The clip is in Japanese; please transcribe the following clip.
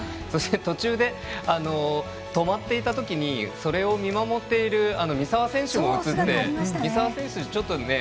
そして途中で止まっていたときに見守っている三澤選手も映っていて。